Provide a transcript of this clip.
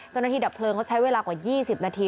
จนทีดับเพลิงก็ใช้เวลากว่า๒๐นาที